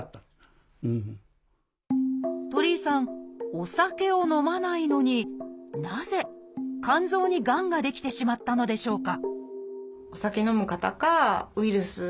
お酒を飲まないのになぜ肝臓にがんが出来てしまったのでしょうか